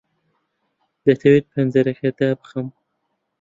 دەتەوێت پەنجەرەکە دابخەم؟